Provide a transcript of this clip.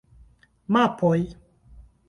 Mapoj!